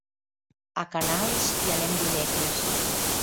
A Canals hi anem dimecres.